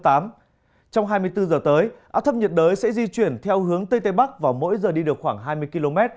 trong hai mươi bốn h tới áp thấp nhiệt đới sẽ di chuyển theo hướng tây tây bắc và mỗi giờ đi được khoảng hai mươi km